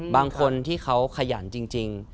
บางคนที่เขาขยันจริง